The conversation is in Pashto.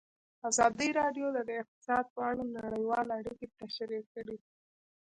ازادي راډیو د اقتصاد په اړه نړیوالې اړیکې تشریح کړي.